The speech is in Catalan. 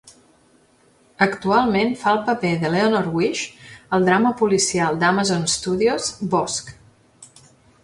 Actualment fa el paper d'Eleanor Wish al drama policial d'Amazon Studios "Bosch".